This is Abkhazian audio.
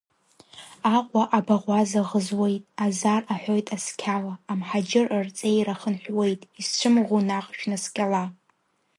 Аҟәа абаӷәаза ӷызуеит, Азар аҳәоит асқьала, Амҳаџьыр рҵеира хынҳәуеит, Изцәымӷу наҟ шәнаскьала!